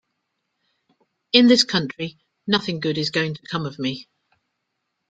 In this country nothing good is going to come of me.